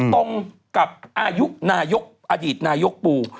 ตรงกับอายุนายกอดีตนายกปู